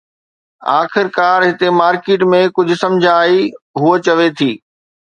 آخرڪار هتي مارڪيٽ ۾ ڪجهه سمجھ آهي، هوء چوي ٿي